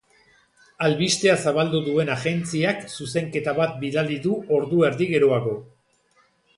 Albistea zabaldu duen agentziak zuzenketa bat bidali du ordu erdi geroago.